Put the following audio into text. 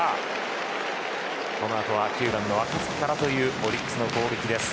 このあとは９番の若月からというオリックスの攻撃です。